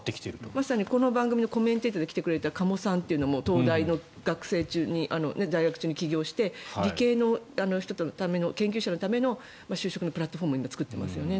まさにこの番組に来てくれた加茂さんも東大の学生中に在学中に起業して理系の研究者のための就職のプラットフォームを今、作っていますよね。